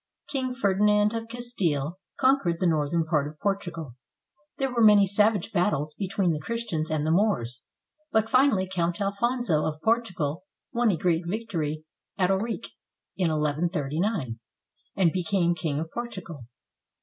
King Ferdinand of Castile conquered the northern part of Portugal. There were many savage battles between the Christians and the Moors, but finally Count Alfonso of Portugal won a great victory at Ourique in 1139, and be came King of Portugal.